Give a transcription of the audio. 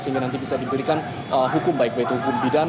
sehingga nanti bisa diberikan hukum baik itu hukum bidan